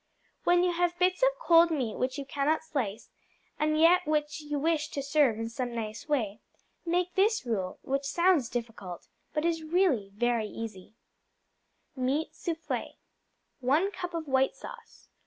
When you have bits of cold meat which you cannot slice, and yet which you wish to serve in some nice way, make this rule, which sounds difficult, but is really very easy: Meat Soufflé 1 cup of white sauce.